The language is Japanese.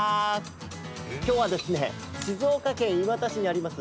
今日はですね静岡県磐田市にあります